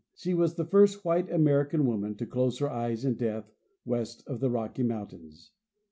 She was the first white American woman to close her eyes in death west of the Rocky mountains.